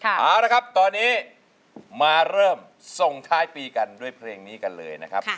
เอาละครับตอนนี้มาเริ่มส่งท้ายปีกันด้วยเพลงนี้กันเลยนะครับ